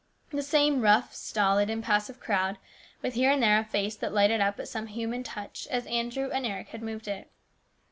The same rough, stolid, impassive crowd, with here and there a face that lighted up at some human touch as Andrew and Eric had moved it.